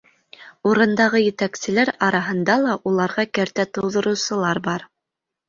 .........Урындағы етәкселәр араһында ла уларға кәртә тыуҙырыусылар бар